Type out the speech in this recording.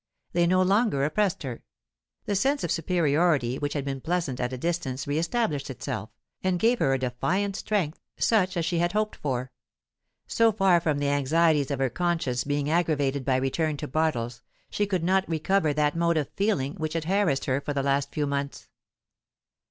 They no longer oppressed her; the sense of superiority which had been pleasant at a distance re established itself, and gave her a defiant strength such as she had hoped for. So far from the anxieties of her conscience being aggravated by return to Bartles, she could not recover that mode of feeling which had harassed her for the last few months.